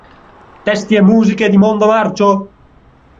Testi e musiche di Mondo Marcio.